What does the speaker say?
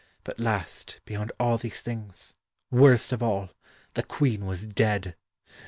But last, beyond all these things worst of all the Queen was dead!